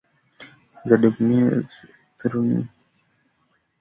za dopamini na serotonini ndani ya mfumo mzima wa sakiti ya uridhikaji